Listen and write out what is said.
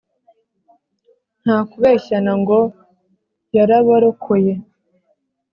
Nta kubeshyana Ngo yarabarokoye